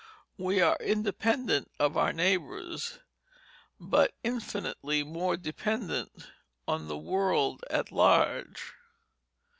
We are independent of our neighbors, but infinitely more dependent on the world at large.